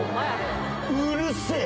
うるせえ。